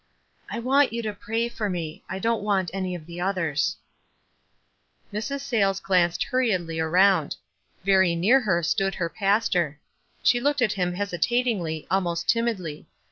"I want you to pray for me. I didn't want any of the others." 276 WISE AND OTHERWISE. Mrs. Sayles glanced hurriedly around. Very Lear her stood her pastor. She looked at him hesitatingly, almost timidly.